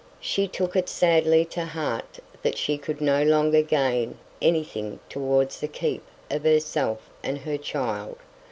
She took it sadly to heart that she could no longer gain anything towards the keep of herself and her child.